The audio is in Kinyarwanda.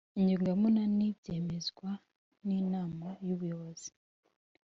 Ingingo ya munani byemezwa n Inama y Ubuyobozi